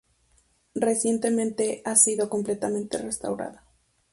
Recientemente ha sido completamente restaurada.